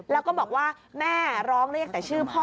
แล้วก็บอกว่าแม่ร้องเรียกแต่ชื่อพ่อ